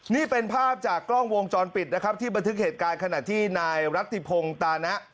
นี่เป็นภาพจากกล้องวงจรปิดนะครับที่บันทึกเหตุการณ์ขณะที่นายรัฐิพงศ์ตานะ